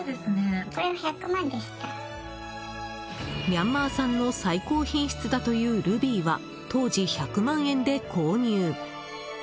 ミャンマー産の最高品質だというルビーは当時１００万円で購入。